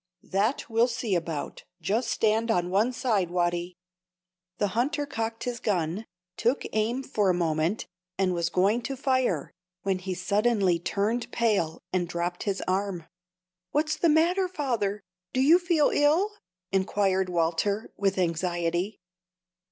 "That we'll see about. Just stand on one side, Watty." The hunter cocked his gun, took aim for a moment, and was going to fire, when he turned suddenly pale, and dropped his arm. "What's the matter, father? Do you feel ill?" inquired Walter, with anxiety.